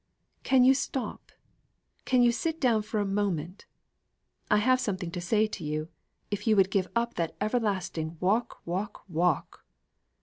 "Can you stop can you sit down for a moment? I have something to say to you, if you would give up that everlasting walk, walk, walk."